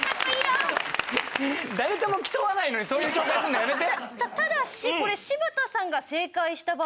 誰とも競わないのにそういう紹介するのやめて！